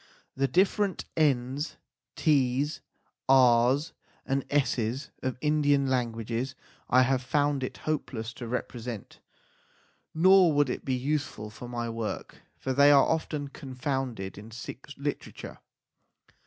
The different n s, s, r s, and s s of Indian languages I have found it hopeless to represent, nor would it be useful for my work, for they are often confounded in Sikh literature.